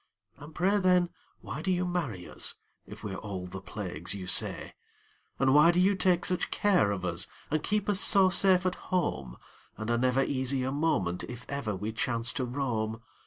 And pray, then, why do you marry us, If we're all the plagues you say? And why do you take such care of us, And keep us so safe at home, And are never easy a moment If ever we chance to roam?